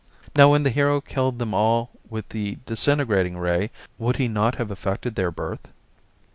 Now when the hero killed them all with the disintegrating ray, would he not have affected their birth?